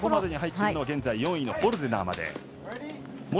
コンマ５までに入っているのは現在４位のホルデナーまで。